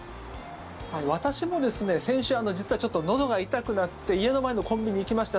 私もですね、先週実はちょっとのどが痛くなって家の前のコンビニに行きました。